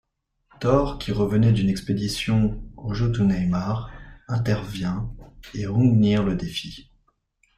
Thor, qui revenait d'une expédition aux Jǫtunheimar, intervient et Hrungnir le défie.